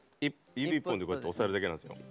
指１本でこうやって押さえるだけなんです。